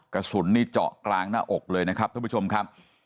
กระสุนนี่เจาะกลางหน้าอกเลยนะครับท่านผู้ชมครับ